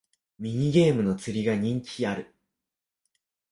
ミニゲームの釣りが人気ある